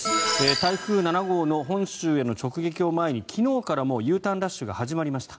台風７号の本州への直撃を前に昨日からもうＵターンラッシュが始まりました。